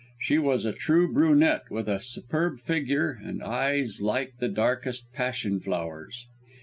She was a true brunette with a superb figure and eyes like the darkest passion flowers.